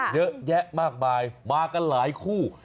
เยอะแยะมากมายมากันหลายคู่